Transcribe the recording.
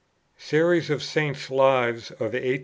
SERIES OF SAINTS' LIVES OF 1843 4.